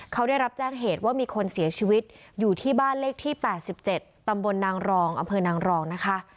เขาได้รับแจ้งเหตุว่ามีคนเสียชีวิตอยู่ที่บ้านเลขที่๘๗ตำบลนางรองอำเภอนางรองนะคะ